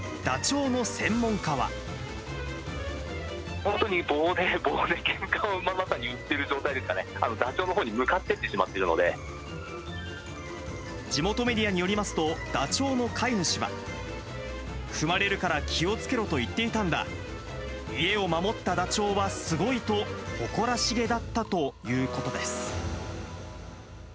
ダチョウのほうに向かっていって地元メディアによりますと、ダチョウの飼い主は、踏まれるから気をつけろと言っていたんだ、家を守ったダチョウはすごいと誇らしげだったということです。